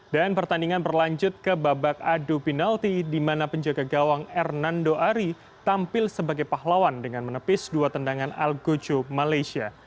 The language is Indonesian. dan pertandingan berlanjut ke babak adu penalti di mana penjaga gawang hernando ari tampil sebagai pahlawan dengan menepis dua tendangan al gojo malaysia